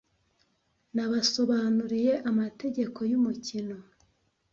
Nabasobanuriye amategeko yumukino.